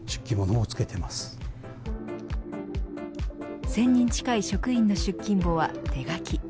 １０００人近い職員の出勤簿は手書き。